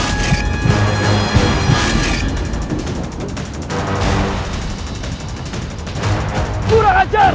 aku harus menggunakan mataku